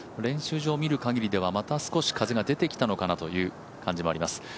練習場を見るかぎりではまた少し風が出てきたのかなという感じがあります。